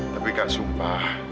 tapi kak sumpah